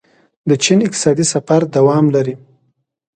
د چین اقتصادي سفر دوام لري.